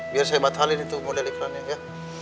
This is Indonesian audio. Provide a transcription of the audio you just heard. biar saya batalkan itu model iklannya